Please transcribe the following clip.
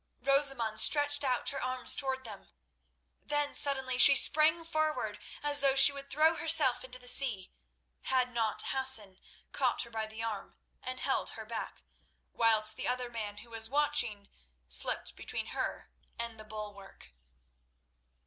Rosamund stretched out her arms towards them. Then suddenly she sprang forward as though she would throw herself into the sea, had not Hassan caught her by the arm and held her back, whilst the other man who was watching slipped between her and the bulwark.